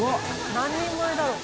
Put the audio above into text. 何人前だろう？